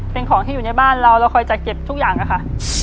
เป็นของที่อยู่ในบ้านเราเราคอยจัดเก็บทุกอย่างค่ะ